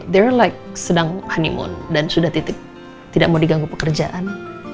the reke sedang honeymoon dan sudah tidak mau diganggu pekerjaan